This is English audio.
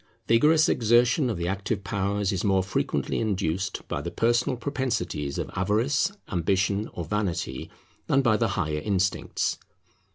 Vigorous exertion of the active powers is more frequently induced by the personal propensities of avarice, ambition, or vanity, than by the higher instincts.